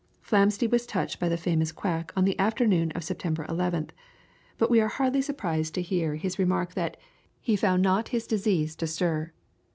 Flamsteed was touched by the famous quack on the afternoon of September 11th, but we are hardly surprised to hear his remark that "he found not his disease to stir."